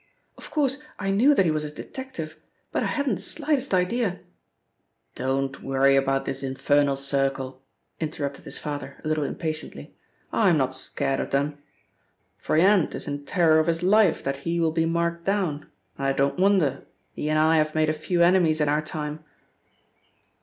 "Of course, I knew that he was a detective, but I hadn't the slightest idea " "Don't worry about this infernal circle," interrupted his father a little impatiently. "I'm not scared of them. Froyant is in terror of his life that he will be marked down. And I don't wonder. He and I have made a few enemies in our time."